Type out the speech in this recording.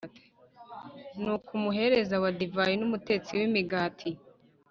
Nuko umuhereza wa divayi n umutetsi w imigati